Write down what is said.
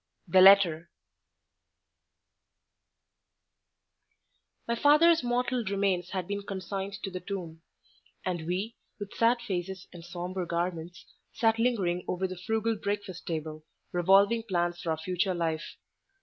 THE LETTER My father's mortal remains had been consigned to the tomb; and we, with sad faces and sombre garments, sat lingering over the frugal breakfast table, revolving plans for our future life.